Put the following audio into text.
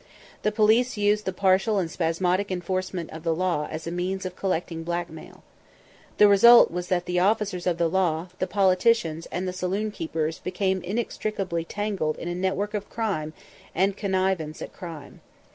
The police used the partial and spasmodic enforcement of the law as a means of collecting blackmail. The result was that the officers of the law, the politicians, and the saloon keepers became inextricably tangled in a network of crime and connivance at crime.